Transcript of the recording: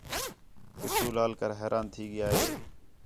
پیٹھو لال کر حیران تھی ڳِیا ہِے